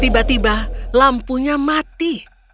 tiba tiba lampunya mati